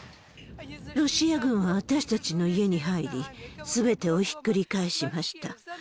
ロシア軍は私たちの家に入り、すべてをひっくり返しました。